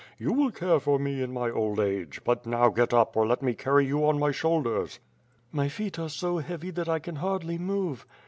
You will care for me in my old age, but now get up or let me carry you on my shoulders." "My feet are so heavy that 1 can hardly move."